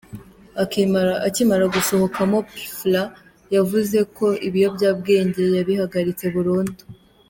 Akimara gusohokamo Pfla yavuze ko ibiyobyabwenge yabihagaritse burundu.